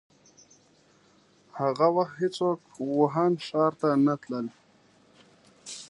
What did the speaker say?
هغه وخت هيڅوک ووهان ښار ته نه تلل.